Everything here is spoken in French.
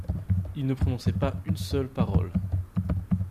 Il ne prononçait pas une seule parole